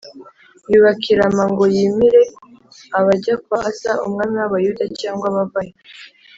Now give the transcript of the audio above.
yubaka i Rama ngo yimīre abajya kwa Asa umwami w’Abayuda cyangwa abavayo